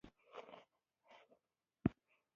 آیا دا د ایران لنډه پیژندنه نه ده؟